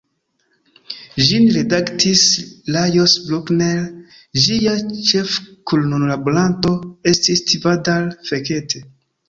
Ĝin redaktis Lajos Bruckner, ĝia ĉefkunlaboranto estis Tivadar Fekete.